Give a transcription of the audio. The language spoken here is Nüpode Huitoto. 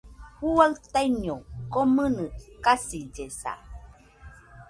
Juaɨ taiño komɨnɨ kasillesa.